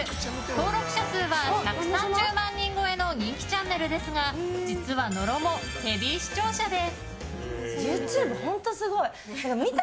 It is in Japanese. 登録者数は１３０万人超えの人気チャンネルですが実は、野呂もヘビー視聴者で。